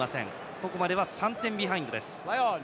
ここまでは３点ビハインドです。